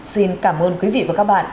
xin cảm ơn quý vị và các bạn